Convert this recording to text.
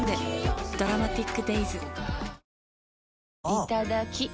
いただきっ！